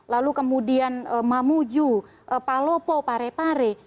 lalu kemudian mamuju palopo pare pare